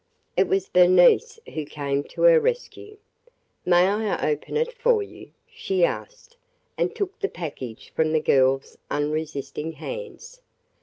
It was Bernice who came to her rescue. "May I open it for you?" she asked, and took the package from the girl's unresisting hands.